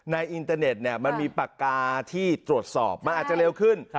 อินเตอร์เน็ตมันมีปากกาที่ตรวจสอบมันอาจจะเร็วขึ้น